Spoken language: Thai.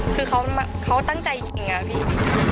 คือเขาตั้งใจยิงอะพี่